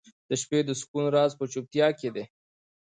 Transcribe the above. • د شپې د سکون راز په چوپتیا کې دی.